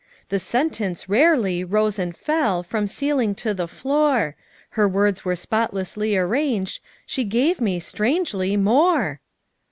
"The sentence, rarely, rose and fell From ceiling to the floor; Her words were spotlessly arranged, She gave me, strangely, more."